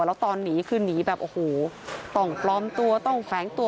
แล้วตอนหนีคือหนีแบบโอ้โหต้องปลอมตัวต้องแฝงตัว